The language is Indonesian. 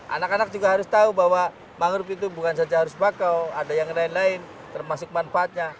anak anak juga harus tahu bahwa mangrove itu bukan saja harus bakau ada yang lain lain termasuk manfaatnya